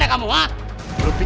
ya ampun ya ampun